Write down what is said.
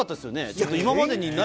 ちょっと今までにない。